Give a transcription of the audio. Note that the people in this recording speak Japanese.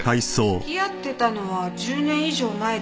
付き合ってたのは１０年以上前ですけど。